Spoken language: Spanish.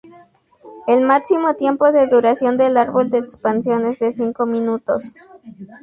El máximo tiempo de duración del árbol de expansión es de cinco minutos.